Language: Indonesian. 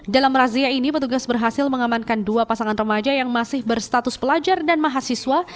dalam razia ini petugas berhasil mengamankan dua pasangan remaja yang masih berstatus pelajar dan mahasiswa